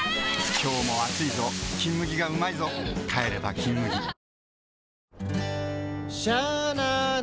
今日も暑いぞ「金麦」がうまいぞ帰れば「金麦」拝見！